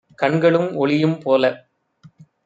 கண்களும் ஒளியும் போலக்